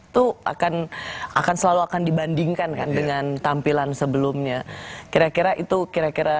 tuh akan akan selalu akan dibandingkan kan dengan tampilan sebelumnya kira kira itu kira kira